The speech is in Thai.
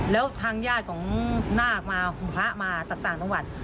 แล้วทางญาติของนาคมาหุพระมาจากต่างจังหวัด